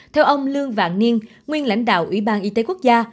theo ông lương vạn niên nguyên lãnh đạo ủy ban y tế quốc gia